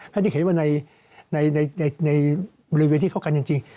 ถ้าจะเห็นว่าในบริเวณที่เข้ากันจริง